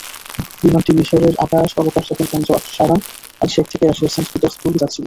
বিমানটি মিসরের অবকাশযাপন কেন্দ্র শারম-আল শেখ থেকে রাশিয়ার সেন্ট পিটার্সবুর্গ যাচ্ছিল।